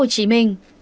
hồ chí minh